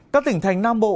các tỉnh thành nam bộ